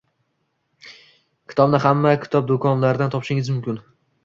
Kitobni hamma kitob do‘konlaridan topishingiz mumkin